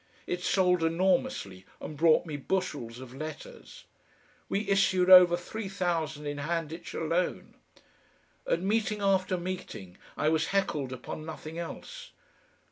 It sold enormously and brought me bushels of letters. We issued over three thousand in Handitch alone. At meeting after meeting I was heckled upon nothing else.